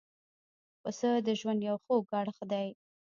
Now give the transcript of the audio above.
پسه د ژوند یو خوږ اړخ دی.